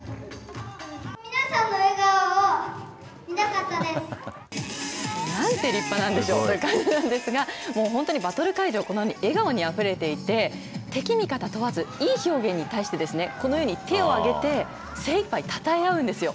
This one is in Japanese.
優勝した７歳の晃晴君のことばなんです。なんて立派なんでしょうって感じなんですが、もう本当にバトル会場、このように笑顔であふれていて、敵、味方問わず、いい表現に対して、このように手を挙げて、精いっぱいたたえ合うんですよ。